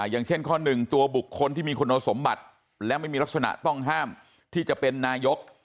อย่างเช่นข้อหนึ่งตัวบุคคลที่มีคุณสมบัติและไม่มีลักษณะต้องห้ามที่จะเป็นนายก